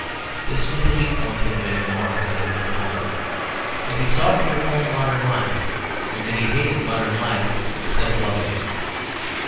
This was the weak point in William Morris as a reformer: that he sought to reform modern life, and that he hated modern life instead of loving it.